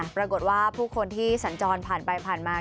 ปรากฏว่าผู้คนที่สัญจรผ่านไปผ่านมา